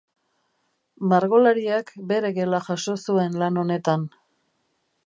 Margolariak bere gela jaso zuen lan honetan.